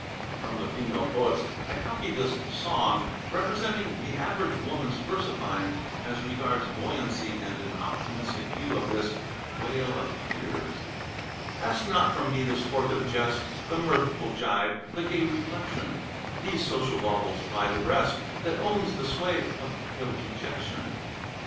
From the "Female Poets" I copy this "Song," representing the average woman's versifying as regards buoyancy and an optimistic view of this "Wale of Tears": "Ask not from me the sportive jest, The mirthful jibe, the gay reflection; These social baubles fly the breast That owns the sway of pale Dejection.